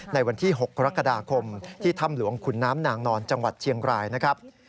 ในวันที่๖กรกฎาคมที่ถ้ำหลวงขุนน้ำนางนอนจังหวัดเชียงรายนะครับ